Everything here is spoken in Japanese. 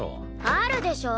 あるでしょ！